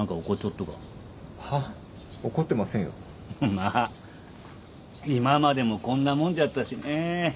まっ今までもこんなもんじゃったしね